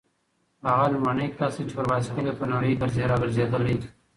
هغه لومړنی کس دی چې پر بایسکل په نړۍ راګرځېدلی.